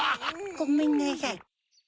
ごめんなさい。